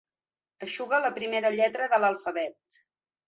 Eixuga la primera lletra de l'alfabet.